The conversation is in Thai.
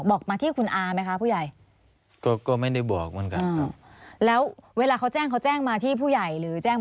บอกมาที่คุณอาไหมคะผู้ใหญ่